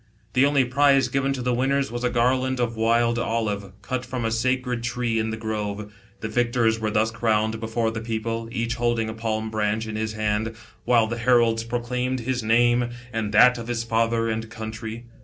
The only prize given to the winners was a garland of wild olive, cut from a sacred tree in the grove. The victors were thus crowned before the people, each holding a palm branch in his hand, while the heralds proclaimed his name and that of his father and country.